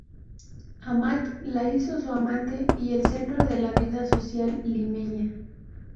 Amat la hizo su amante y el centro de la vida social limeña.